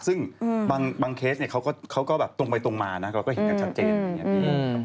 ซึ่งบางเคสเขาก็ตรงไปตรงมานะก็เห็นกันชัดเจน